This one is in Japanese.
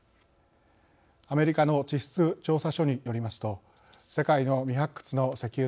アメリカの地質調査所によりますと世界の未発掘の石油の１３％